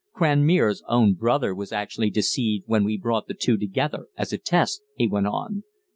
"Cranmere's own brother was actually deceived when we brought the two together, as a test," he went on.